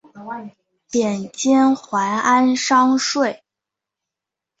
贬监怀安商税。